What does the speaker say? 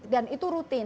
dan itu rutin